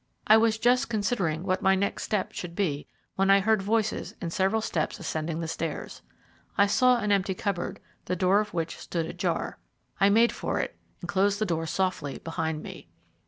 I was just considering what my next step should be, when I heard voices and several steps ascending the stairs. I saw an empty cupboard, the door of which stood ajar. I made for it, and closed the door softly behind me.